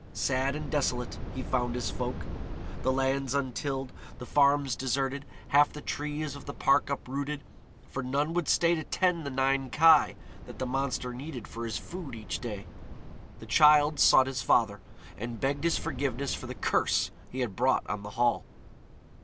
Sad and desolate he found his folk: the lands untilled, the farms deserted, half the trees of the park uprooted, for none would stay to tend the nine kye that the monster needed for his food each day. The Childe sought his father, and begged his forgiveness for the curse he had brought on the Hall.